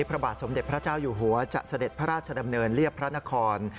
พระบาทสมเด็จพระเจ้าอยู่หัวจะเสด็จพระราชดำเนินเรียบพระนคร